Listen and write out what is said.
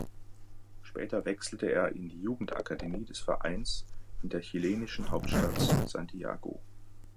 Später wechselte er in die Jugendakademie des Vereins in der chilenischen Hauptstadt Santiago.